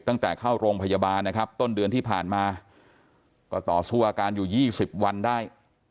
ตั้งแต่เข้าโรงพยาบาลนะครับต้นเดือนที่ผ่านมาก็ต่อสู้อาการอยู่๒๐วันได้